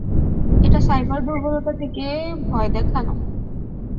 এটা সাইবার দূর্বলতা থেকে ভয় দেখানো।